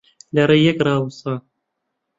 لە ڕێی یەک ڕائەوەسن